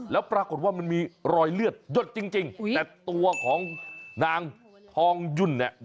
แล้วปรากฏว่ามันมีรอยเลือดหยดจริงแต่ตัวของนางทองยุ่นเนี่ย